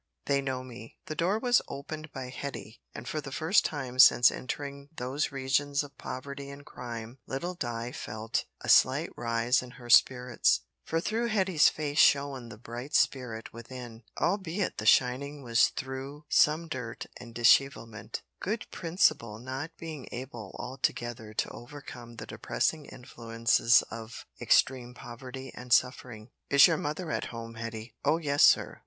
They know me." The door was opened by Hetty, and for the first time since entering those regions of poverty and crime, little Di felt a slight rise in her spirits, for through Hetty's face shone the bright spirit within; albeit the shining was through some dirt and dishevelment, good principle not being able altogether to overcome the depressing influences of extreme poverty and suffering. "Is your mother at home, Hetty!" "Oh! yes, sir.